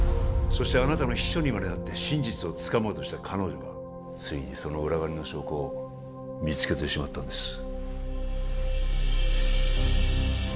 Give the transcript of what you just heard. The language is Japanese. そしてあなたの秘書にまでなって真実をつかもうとした彼女がついにその裏金の証拠を見つけてしまったんです